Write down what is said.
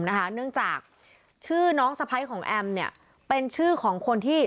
เนื่องจากชื่อน้องสะพ้ายของแอมเนี่ยเป็นชื่อของคนที่